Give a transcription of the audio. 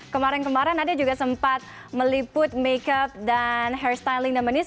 kemarin kemarin ada juga sempat meliput makeup dan hairstyling nomenis